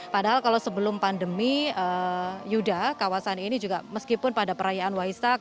padahal kalau sebelum pandemi yuda kawasan ini juga meskipun pada perayaan waisak